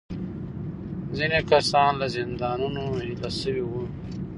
ځینې کسان له زندانونو ایله شوي وو.